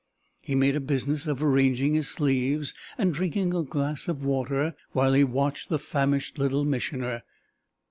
He made a business of arranging his sleeves and drinking a glass of water while he watched the famished Little Missioner.